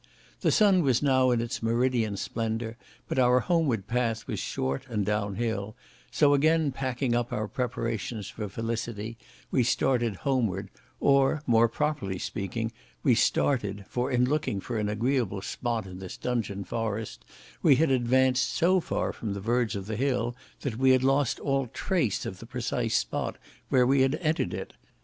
The sun was now in its meridian splendour, but our homeward path was short and down hill, so again packing up our preparations for felicity, we started homeward, or, more properly speaking, we started, for in looking for an agreeable spot in this dungeon forest we had advanced so far from the verge of the hill that we had lost all trace of the precise spot where we had entered it.